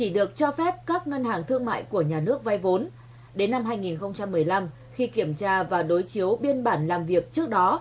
đến năm hai nghìn một mươi năm khi kiểm tra và đối chiếu biên bản làm việc trước đó